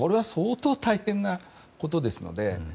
相当これは大変なことですので。